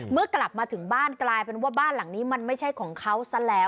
เมื่อกลับมาถึงบ้านกลายเป็นว่าบ้านหลังนี้มันไม่ใช่ของเขาซะแล้ว